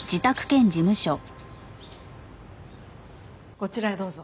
こちらへどうぞ。